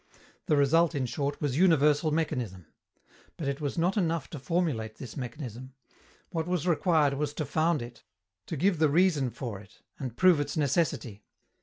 The result, in short, was universal mechanism. But it was not enough to formulate this mechanism; what was required was to found it, to give the reason for it and prove its necessity.